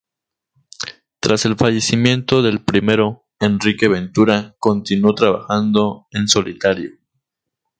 Tras el fallecimiento del primero, Enrique Ventura continuó trabajando en solitario.